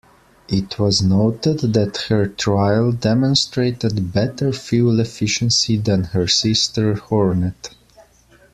It was noted that her trial demonstrated better fuel efficiency than her sister, "Hornet".